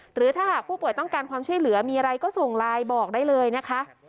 หรือถ้าหากผู้ป่วยต้องการความช่วยเหลือมีอะไรก็ส่งไลน์บอกได้เลยนะคะ